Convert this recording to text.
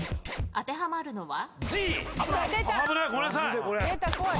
当てはまるのは？